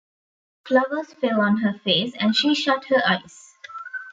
Flowers fell on her face, and she shut her eyes.